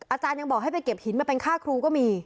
อาจารย์ยังบอกให้ไปเก็บหินมาเป็นค่าครูก็มี